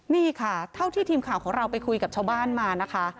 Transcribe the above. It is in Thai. นี่ค่ะเท่าที่ทีมข่าวของเราไปคุยกับชาวบ้านมานะคะ